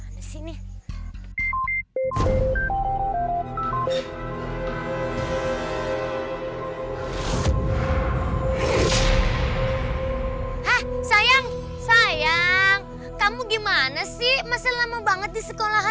hai hai hai hai hai hai hai sayang sayang've kamu gimana sih masel lama banget di sekolah